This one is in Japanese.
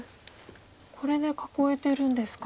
これで囲えてるんですか。